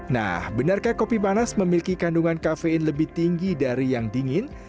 nah benarkah kopi panas memiliki kandungan kafein lebih tinggi dari yang dingin